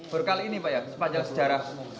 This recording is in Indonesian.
berkali ini pak ya sepanjang sejarah